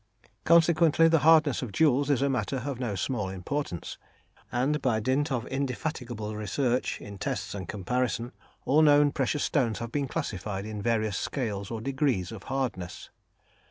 Consequently, the hardness of jewels is a matter of no small importance, and by dint of indefatigable research, in tests and comparison, all known precious stones have been classified in various scales or degrees of hardness.